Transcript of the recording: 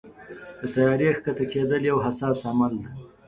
د طیارې کښته کېدل یو حساس عمل دی.